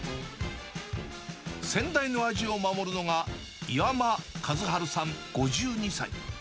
先代の味を守るのが岩間和治さん５２歳。